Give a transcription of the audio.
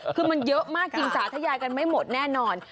คือมันเยอะมากจริงสาธยากันไม่หมดแน่นอน